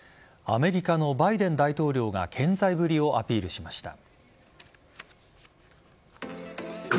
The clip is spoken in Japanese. アメリカのバイデン大統領が健在ぶりをアピールしました。